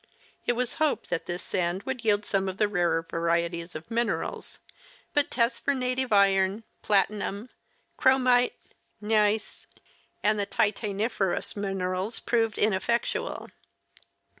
It was hoped that this sand would yield some of the rarer varieties of minerals, but tests for native iron, platinum, chromite, gneiss, and the titaniferous minerals proved in effectual.